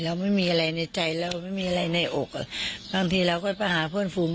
แล้วไม่มีอะไรในใจแล้วไม่มีอะไรในอกบางทีเราก็ไปหาเพื่อนฝุม